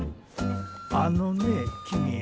あのね君。